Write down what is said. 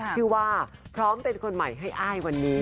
ชื่อว่าพร้อมเป็นคนใหม่ให้อ้ายวันนี้